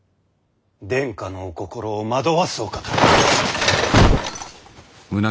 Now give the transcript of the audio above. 殿下のお心を惑わすお方。